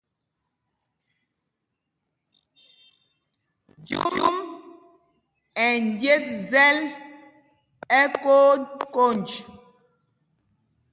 Jüm ɛ́ njes zɛl ɛkonj konj.